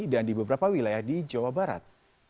dan di beberapa wilayah di jawa barat